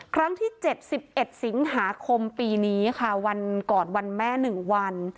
ครั้งที่๗๑สิงหาคมปีนี้ค่ะวันก่อนวันแม่๑วัน